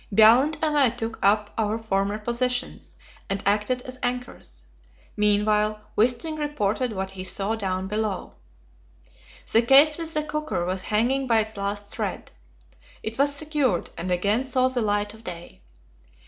Bjaaland and I took up our former positions, and acted as anchors; meanwhile Wisting reported what he saw down below. The case with the cooker was hanging by its last thread; it was secured, and again saw the light of day.